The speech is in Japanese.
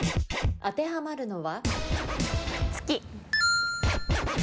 当てはまるのは？